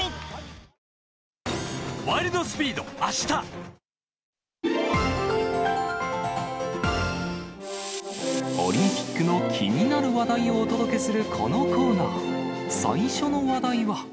激しい雨が降り、オリンピックの気になる話題をお届けするこのコーナー、最初の話題は。